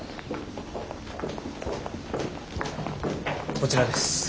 こちらです。